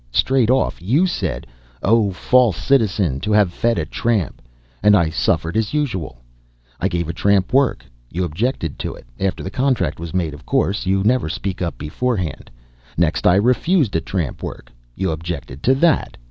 Straight off you said, 'Oh, false citizen, to have fed a tramp!' and I suffered as usual. I gave a tramp work; you objected to it after the contract was made, of course; you never speak up beforehand. Next, I refused a tramp work; you objected to that.